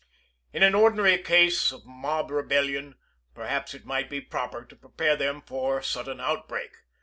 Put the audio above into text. In an ordinary case of mob rebellion, perhaps it might be proper to prepare them for sudden outbreak.